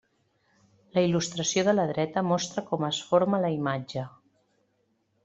La il·lustració de la dreta mostra com es forma la imatge.